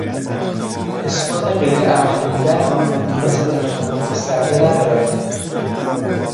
اثبات غیر عملی بودن آن، نیازی به امتحان گسترده ندارد.